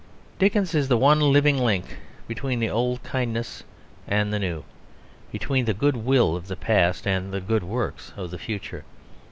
Dickens is the one living link between the old kindness and the new, between the good will of the past and the good works of the future.